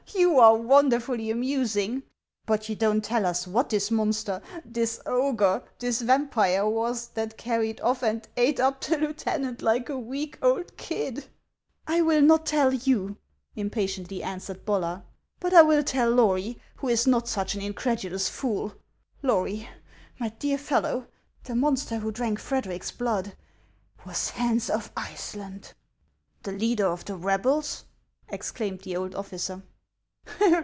You are wonderfully 33 G HANS OF ICELAND. amusing; but you don't tell us what this monster, this ogre, this vampire was, that carried off and ate up the lieu tenant like a week old kid !"" I will not tell you," impatiently answered Bollar ;" but I will tell Lory, who is not such an incredulous fool. Lory, my dear fellow, the monster who drank Fred eric's blood was Hans of Iceland." " The leader of the rebels !" exclaimed the old officer.